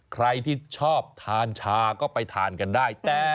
ใครที่ชอบทานชาก็ไปทานกันได้